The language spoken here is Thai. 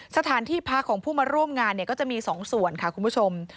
สถานที่พักของผู้มาร่วมงานเนี่ยก็จะมี๒ส่วนค่ะคุณผู้ชม